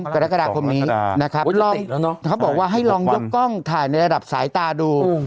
กรกฎาคมนี้นะครับเขาบอกว่าให้ลองยกกล้องถ่ายในระดับสายตาดู